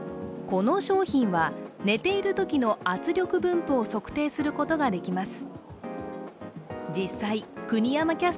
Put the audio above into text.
この商品は、寝ているときの圧力分布を測定することができます。